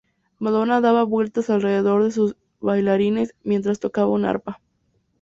Madonna daba vueltas alrededor de sus bailarines, mientras tocaba un arpa.